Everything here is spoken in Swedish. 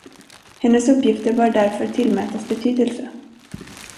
Hennes uppgifter bör därför tillmätas betydelse.